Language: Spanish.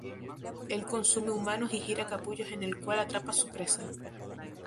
Él consume humanos y gira capullos en el cual atrapa a su presa.